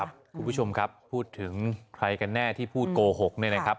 คุณผู้ชมครับพูดถึงใครกันแน่ที่พูดโกหกเนี่ยนะครับ